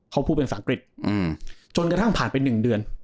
เขาพูดเป็นภาษาอังกฤษจนกระทั่งผ่านไป๑เดือน